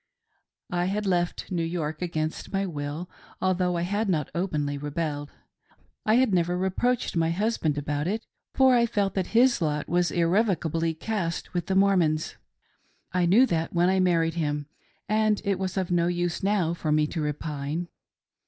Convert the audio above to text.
I had left New York against my will, although I had not openly rebelled. I had never reproached my husband about it, for I felt that his lot was irrevocably cast with the Mormons: I knew that when I married him, and it was of no use now for me to repine.